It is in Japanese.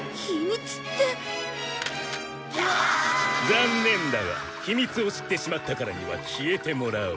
残念だが秘密を知ってしまったからには消えてもらおう。